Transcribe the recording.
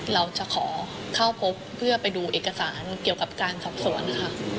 เราจะขอเข้าพบเพื่อไปดูเอกสารเกี่ยวกับการสอบสวนค่ะ